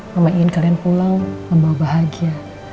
mama ingin kalian pulang membawa bahagia